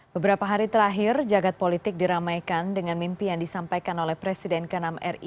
beberapa hari terakhir jagad politik diramaikan dengan mimpi yang disampaikan oleh presiden ke enam ri